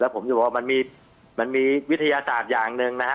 ผมจะบอกว่ามันมีวิทยาศาสตร์อย่างหนึ่งนะฮะ